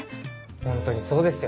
本当にそうですよ。